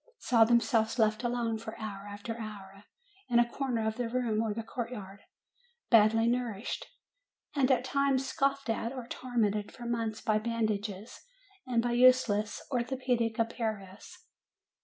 saw themselves left alone for hour after hour in a corner of the room or the court yard, badly nourished, and at times scoffed at, or tor mented for months by bandages and by useless orthopedic apparatus